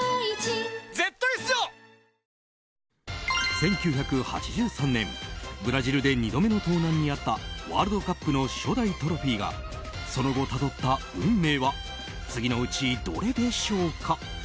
１９８３年、ブラジルで２度目の盗難に遭ったワールドカップの初代トロフィーがその後、たどった運命は次のうちどれでしょうか。